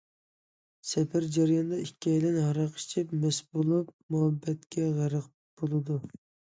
سەپەر جەريانىدا ئىككىيلەن ھاراق ئىچىپ، مەست بولۇپ، مۇھەببەتكە غەرق بولىدۇ.